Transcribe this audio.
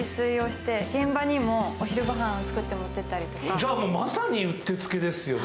じゃあまさにもううってつけですね。